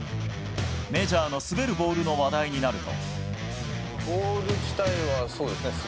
メジャーの滑るボールの話題になると。